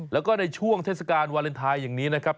แล้วก็ในช่วงเทศกาลวาเลนไทยอย่างนี้นะครับ